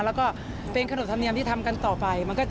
แล้วก็เป็นขนบธรรมเนียมที่ทำกันต่อไป